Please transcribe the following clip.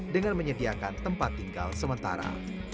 dengan menyediakan tempat tinggal sementara